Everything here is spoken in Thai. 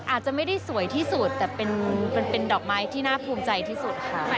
อาจจะไม่ได้สวยที่สุดแต่มันเป็นดอกไม้ที่น่าภูมิใจที่สุดค่ะ